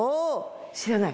知らない？